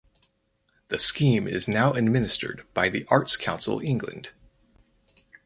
The scheme is now administered by the Arts Council England.